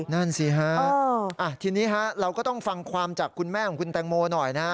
นั่นสิฮะทีนี้เราก็ต้องฟังความจากคุณแม่ของคุณแตงโมหน่อยนะ